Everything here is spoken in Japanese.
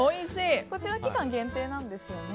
こちら、期間限定なんですよね。